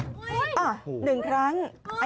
อะไรอะ